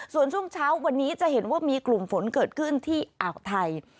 ส่วนช่วงเช้าวันนี้จะเห็นว่ามีกลุ่มฝนเกิดขึ้นที่อ่าวไทย